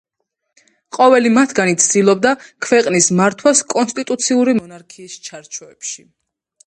ყოველი მათგანი ცდილობდა ქვეყნის მართვას კონსტიტუციური მონარქიის ჩარჩოებში.